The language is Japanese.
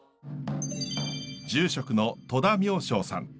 住職の戸田妙昭さん。